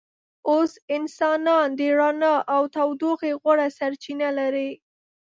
اوس انسانان د رڼا او تودوخې غوره سرچینه لري.